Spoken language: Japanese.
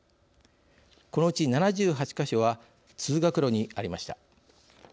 このうち、７８か所は通学路にありました。